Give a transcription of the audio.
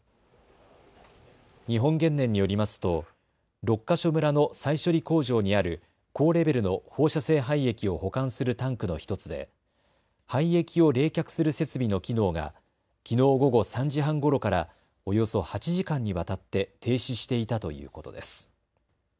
日本原燃によりますと六ヶ所村の再処理工場にある高レベルの放射性廃液を保管するタンクの１つで廃液を冷却する設備の機能がきのう午後３時半ごろからおよそ８時間にわたって停止していたということです。